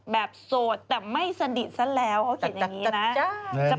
แบบโสดแต่ไม่สนิทซะแล้วเค้าเขียนแบบนี้นะ